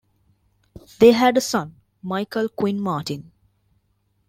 They had a son, Michael Quinn Martin.